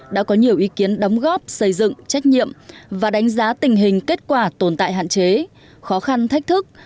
đã có nhiều ý kiến đóng góp xây dựng trách nhiệm và đánh giá tình hình kết quả tồn tại hạn chế khó khăn thách thức